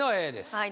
はい